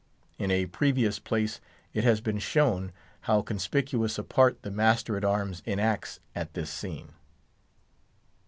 In a previous place it has been shown how conspicuous a part the master at arms enacts at this scene.